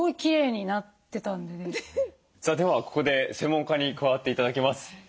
さあではここで専門家に加わって頂きます。